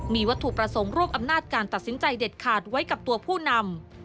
มีวัตถุประสงค์รวบอำนาจการตัดสินใจเด็ดขาดไว้กับตัวผู้นำ